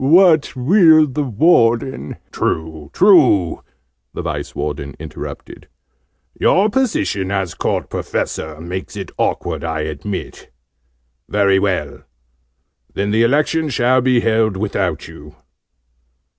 "What will the Warden " "True, true!" the Vice Warden interrupted. "Your position, as Court Professor, makes it awkward, I admit. Well, well! Then the Election shall be held without you."